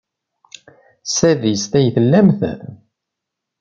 S tadist ay tellamt?